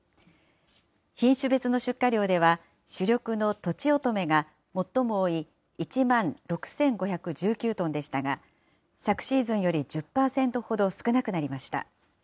品種別の出荷量では、主力のとちおとめが最も多い１万６５１９トンでしたが、昨シーズンより１０％ほど少なくなりました。